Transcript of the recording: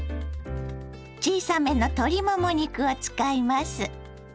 小さめの鶏もも肉を使います。